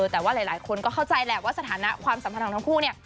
แต่ว่าหลายคนก็เข้าใจแหละว่าสถานะความสัมพันธ์ของทั้งคู่เนี่ย